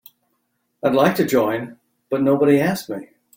I'd like to join but nobody asked me.